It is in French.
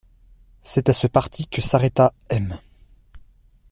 C'est à ce parti que s'arrêta M.